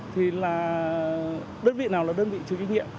thì là đơn vị nào là đơn vị trừ kinh nghiệm